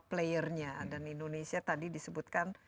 playernya dan indonesia tadi disebutkan